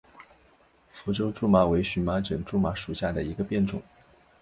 福州苎麻为荨麻科苎麻属下的一个变种。